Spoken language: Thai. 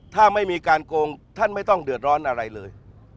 ถ้าไม่มีการโกงท่านไม่ต้องเดือดร้อนอะไรเลย